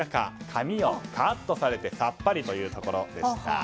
髪をカットされてさっぱりというところでした。